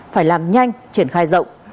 phải làm nhanh triển khai rộng